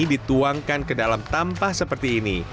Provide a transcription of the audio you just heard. dituangkan ke dalam tampah seperti ini